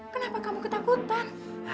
kenapa kamu ketakutan